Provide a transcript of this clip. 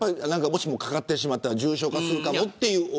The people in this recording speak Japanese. もしも、かかってしまったら重症化するかもという。